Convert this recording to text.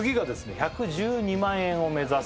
１１２万円を目指す